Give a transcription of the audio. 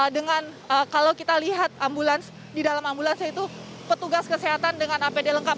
dengan kalau kita lihat ambulans di dalam ambulans itu petugas kesehatan dengan apd lengkap